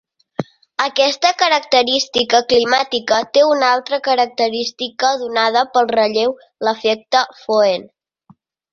Aquesta característica climàtica té una altra característica donada pel relleu, l'efecte foehn.